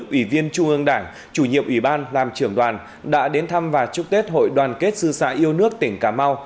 ủy viên trung ương đảng chủ nhiệm ủy ban làm trưởng đoàn đã đến thăm và chúc tết hội đoàn kết sư sạ yêu nước tỉnh cà mau